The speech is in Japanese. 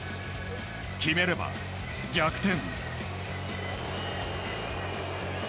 決めれば逆転。